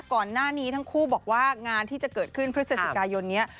ก่อนหน้านี้ทั้งคู่บอกว่างานที่จะเกิดขึ้นพฤศจิกายนนี้